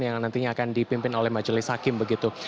yang nantinya akan dipimpin oleh majelis hakim begitu